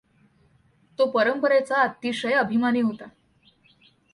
तो परंपरेचा अतिशय अभिमानी होता.